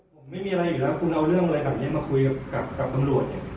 ผมไม่มีอะไรอีกแล้วคุณเอาเรื่องอะไรแบบนี้มาคุยกับตำรวจเนี่ย